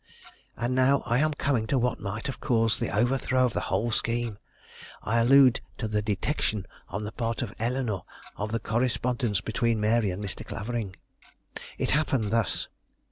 And now I am coming to what might have caused the overthrow of the whole scheme: I allude to the detection on the part of Eleanore of the correspondence between Mary and Mr. Clavering. It happened thus.